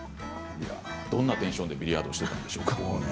どんなテンションでビリヤードしていたんでしょうか。